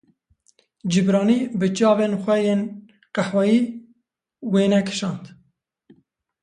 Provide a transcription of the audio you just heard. Cibranî bi çavên xwe yên qehweyî wêne kişand.